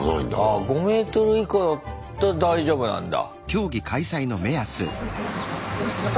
あ５ｍ以下だったら大丈夫なんだ。